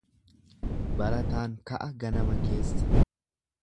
Barataan ka'a ganama keessa.